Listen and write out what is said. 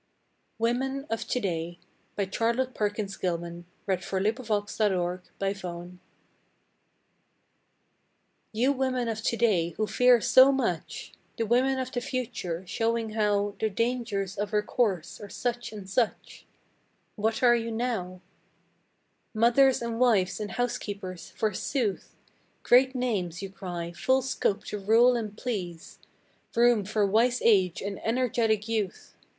WOMEN OF TO DAY * You women of today who fear so much The women of the future, showing how The dangers of her course are such and such What are you now? Mothers and Wives and Housekeepers, forsooth! Great names, you cry, full scope to rule and please, Room for wise age and energetic youth!